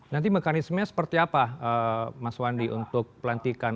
nanti mekanismenya seperti apa mas wandi untuk pelantikan